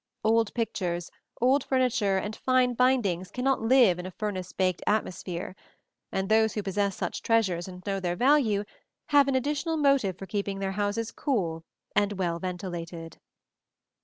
Old pictures, old furniture and fine bindings cannot live in a furnace baked atmosphere; and those who possess such treasures and know their value have an additional motive for keeping their houses cool and well ventilated.